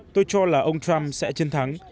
tôi cho là ông trump sẽ chiến thắng